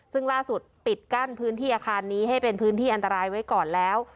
ซึ่งล่าสุดปิดกั้นพื้นที่อาคารนี้ให้เป็นพื้นที่อันตรายไว้ก่อนแล้ว